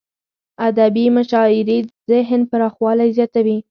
ادبي مشاعريد ذهن پراخوالی زیاتوي.